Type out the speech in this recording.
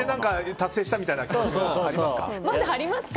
達成したみたいな感じがありますか。